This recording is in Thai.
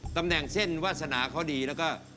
ตำแหน่งเส้นวาสนาเขาดีแล้วก็